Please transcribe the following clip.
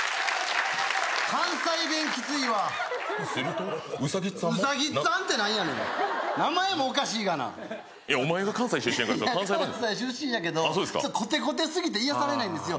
関西弁きついわするとウサギっつぁんもウサギっつぁんて何やねん名前もおかしいがなお前が関西出身やから関西いや関西出身やけどコテコテすぎて癒されないんですよ